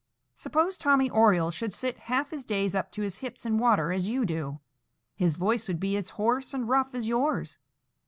Suppose Tommy Oriole should sit half his days up to his hips in water, as you do,—his voice would be as hoarse and rough as yours.